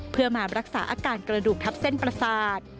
เพื่อมารักษาอาการกระดูกทับเส้นประสาท